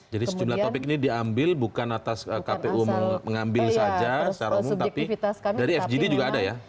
jadi sejumlah topik ini diambil bukan atas kpu mengambil saja secara umum tapi dari fgd juga ada ya